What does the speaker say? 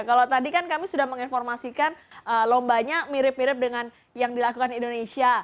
kalau tadi kan kami sudah menginformasikan lombanya mirip mirip dengan yang dilakukan indonesia